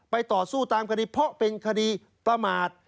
ต่อสู้ตามคดีเพราะเป็นคดีประมาท